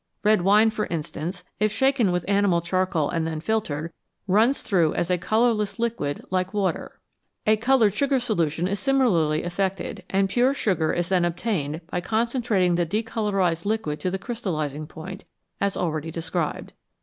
Red wine, for instance, if shaken with animal charcoal and then filtered, runs through as a colourless liquid, like water. A coloured sugar solution is similarly affected, and pure sugar is then obtained by concen trating the decolorised liquid to the crystallising point, as already described.